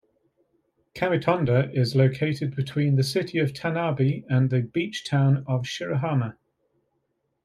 Kamitonda is located between the city of Tanabe and the beach-town of Shirahama.